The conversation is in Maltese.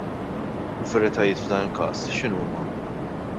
U l-veritajiet f'dan il-każ x'inhuma?